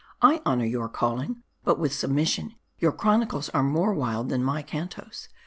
I honor your calling ; but, with submis sion, your chronicles are more wild than my cantos.